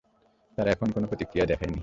তারা এখনো কোনো প্রতিক্রিয়া দেখায়নি।